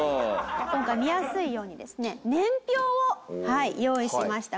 今回見やすいようにですね年表を用意しました。